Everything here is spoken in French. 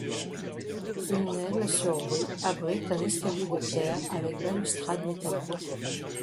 Une aile sur rue abrite un escalier de pierre avec balustrade métallique.